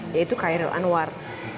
yaitu hairil anwar